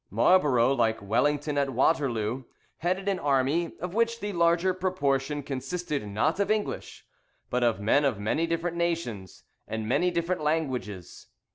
Marlborough, like Wellington at Waterloo, headed an army, of which the larger proportion consisted not of English, but of men of many different nations, and many different languages.